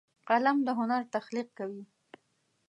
قلم د هنر تخلیق کوي